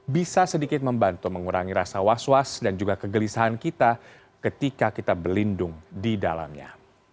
bisa sedikit membantu mengurangi rasa was was dan juga kegelisahan kita ketika kita berlindung di dalamnya